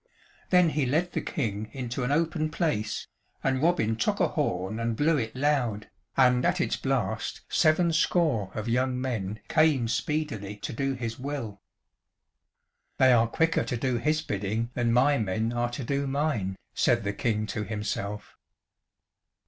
Then he led the King into an open place, and Robin took a horn and blew it loud, and at its blast seven score of young men came speedily to do his will. "They are quicker to do his bidding than my men are to do mine," said the King to himself.